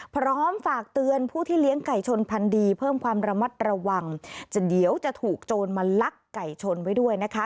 พร้อมฝากเตือนผู้ที่เลี้ยงไก่ชนพันธุ์ดีเพิ่มความระมัดระวังเดี๋ยวจะถูกโจรมาลักไก่ชนไว้ด้วยนะคะ